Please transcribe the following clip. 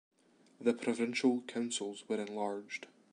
The Provincial Councils were enlarged.